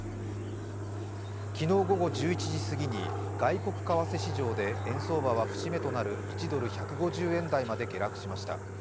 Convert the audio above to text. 昨日、午後１１時すぎに外国為替市場で円相場は節目となる１ドル＝１５０円台まで下落しました。